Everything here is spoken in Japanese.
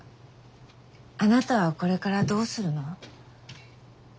あなたはこれからどうするの？